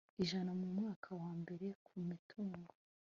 ijana mu mwaka wa mbere ku mitungo